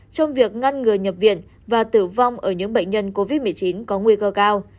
trong việc ngăn ngừa nhập viện và tử vong ở những bệnh nhân covid một mươi chín có nguy cơ cao